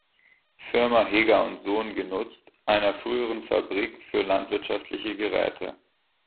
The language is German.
Firma Heger&Sohn genutzt, einer früheren Fabrik für landwirtschaftliche Geräte.